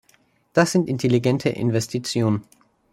Das sind intelligente Investitionen.